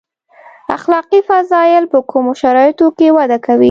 اخلاقي فضایل په کومو شرایطو کې وده کوي.